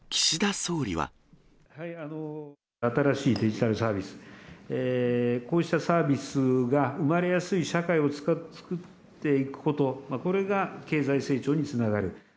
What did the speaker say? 新しいデジタルサービス、こうしたサービスが生まれやすい社会を作っていくこと、これが経済成長につながる。